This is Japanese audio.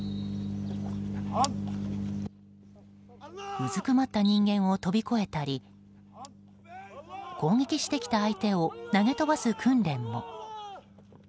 うずくまった人間を飛び越えたり攻撃してきた相手を投げ飛ばす訓練も。